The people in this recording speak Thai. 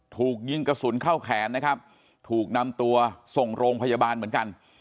ถูกยิงกระสุนเข้าแขนนะครับถูกนำตัวส่งโรงพยาบาลเหมือนกัน